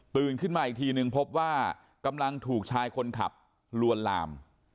ขึ้นมาอีกทีนึงพบว่ากำลังถูกชายคนขับลวนลาม